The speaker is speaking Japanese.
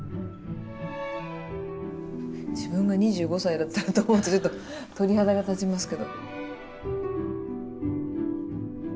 自分が２５歳だったらと思うとちょっと鳥肌が立ちますけど。